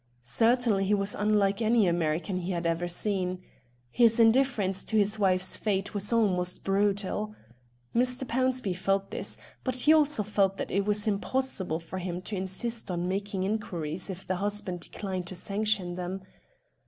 Certainly he was unlike any American he had seen. His indifference to his wife's fate was almost brutal. Mr. Pownceby felt this, but he also felt that it was impossible for him to insist on making inquiries if the husband declined to sanction them.